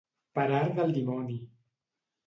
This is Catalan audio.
Per art del dimoni.